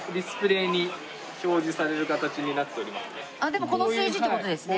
でもこの数字って事ですね。